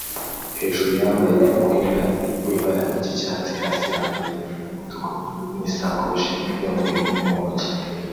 hejuru yambaye umwenda w’ibara ry’icyatsi hasi yambaye umutuku n’isakoshi y’umweru muntoki